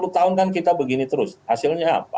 sepuluh tahun kan kita begini terus hasilnya apa